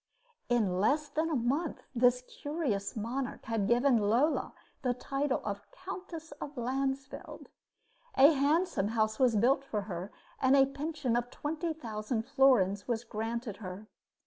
In less than a month this curious monarch had given Lola the title of Countess of Landsfeld. A handsome house was built for her, and a pension of twenty thousand florins was granted her.